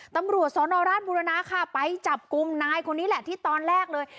ตำรวจสนราชบุรณาค่ะไปจับกลุ่มนายคนนี้แหละที่ตอนแรกเลย